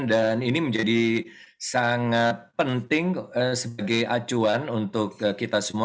dan ini menjadi sangat penting sebagai acuan untuk kita semua